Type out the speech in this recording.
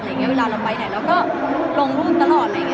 เวลาเราไปไหนเราก็ลงรูปตลอด